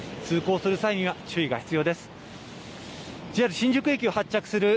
通行する際には、注意が必要です。